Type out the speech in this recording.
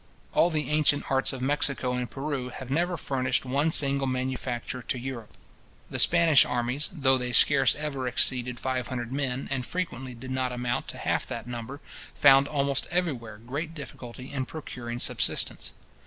All the ancient arts of Mexico and Peru have never furnished one single manufacture to Europe. The Spanish armies, though they scarce ever exceeded five hundred men, and frequently did not amount to half that number, found almost everywhere great difficulty in procuring subsistence.